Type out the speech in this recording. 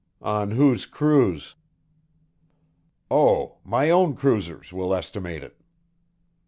"On whose cruise?" "Oh, my own cruisers will estimate it."